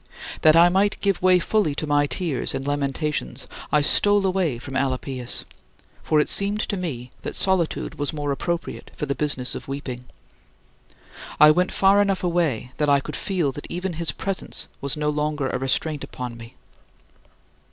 That I might give way fully to my tears and lamentations, I stole away from Alypius, for it seemed to me that solitude was more appropriate for the business of weeping. I went far enough away that I could feel that even his presence was no restraint upon me.